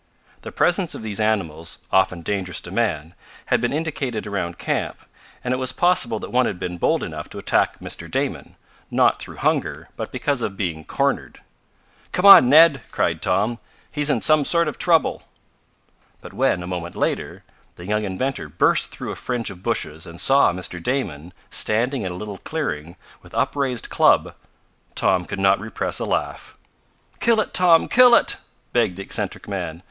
The presence of these animals, often dangerous to man, had been indicated around camp, and it was possible that one had been bold enough to attack Mr. Damon, not through hunger, but because of being cornered. "Come on, Ned!" cried Tom. "He's in some sort of trouble!" But when, a moment later, the young inventor burst through a fringe of bushes and saw Mr. Damon standing in a little clearing, with upraised club, Tom could not repress a laugh. "Kill it, Tom! Kill it!" begged the eccentric man.